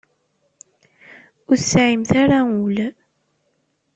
Ur tesɛimt ara ul.